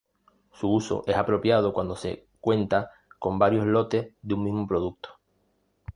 Su uso es apropiado cuando se cuenta con varios lotes de un mismo producto.